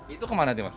itu kemana timas